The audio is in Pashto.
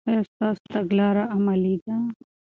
آیا ستاسو تګلاره عملي ده؟